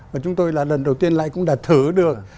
và chúng tôi là lần đầu tiên lại cũng đã thử được